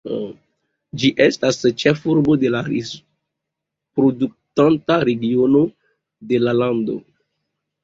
Ĝi estas ĉefurbo de la rizo-produktanta regiono de la lando.